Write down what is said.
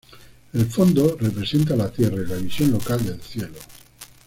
El fondo representa a la Tierra y la visión local del cielo.